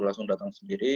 langsung datang sendiri